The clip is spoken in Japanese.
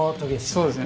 そうですね。